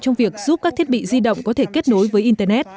trong việc giúp các thiết bị di động có thể kết nối với internet